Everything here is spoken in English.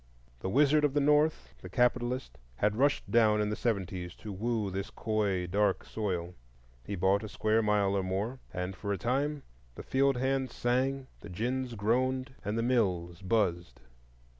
The Wizard of the North—the Capitalist—had rushed down in the seventies to woo this coy dark soil. He bought a square mile or more, and for a time the field hands sang, the gins groaned, and the mills buzzed.